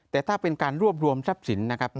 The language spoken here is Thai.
แต่ถ้าเป็นการรวบรวมทรัพย์สินนะครับ